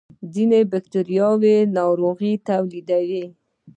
ځینې بکتریاوې ناروغۍ تولیدوي